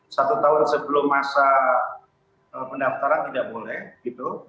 satu tahun sebelum masa pendaftaran tidak boleh gitu